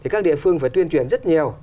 các địa phương phải tuyên truyền rất nhiều